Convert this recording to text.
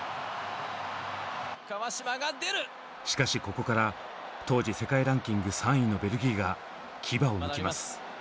しかしここから当時世界ランキング３位のベルギーが牙をむきます。